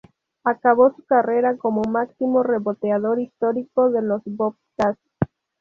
Acabó su carrera como máximo reboteador histórico de los "Bobcats".